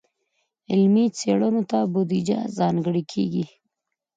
علمي څیړنو ته بودیجه ځانګړې کیږي.